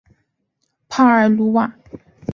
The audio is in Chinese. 帕尔鲁瓦。